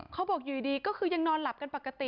เขาบอกอยู่ดีก็คือยังนอนหลับกันปกติ